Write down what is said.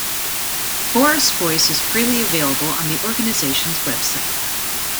"Forest Voice" is freely available on the organization's web site.